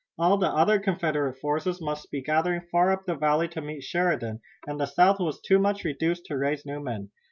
All the other Confederate forces must be gathering far up the valley to meet Sheridan, and the South was too much reduced to raise new men.